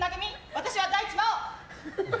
私は大地真央！